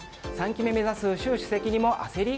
３期目目指す習主席にも焦り？